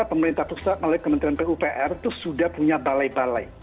pemerintah pusat melalui kementerian pupr itu sudah punya balai balai